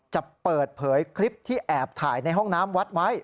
จะเปิดเผยคลิปที่แอบถ่ายในห้องน้ำวัดไว้